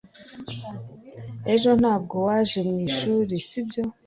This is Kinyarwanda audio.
ejo ntabwo waje mwishuri, sibyo